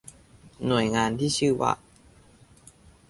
หน่วยงานที่ชื่อว่า